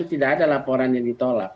tidak ada laporan yang ditolak